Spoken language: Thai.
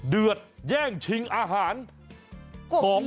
กลับมาถึงภารกิจขึ้น